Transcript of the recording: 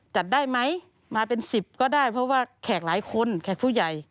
จัดได้ไหมมาเป็น๑๐ก็ได้เพราะว่าแขกหลายคนแขกผู้ใหญ่